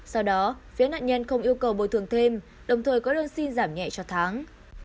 sau đó phía nạn nhân không yêu cầu bồi thường thêm đồng thời có đơn xin giảm nhẹ cho tháng